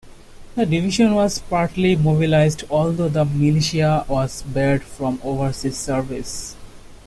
The division was partly mobilised, although the Militia was barred from overseas service.